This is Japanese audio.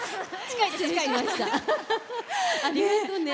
ありがとうね。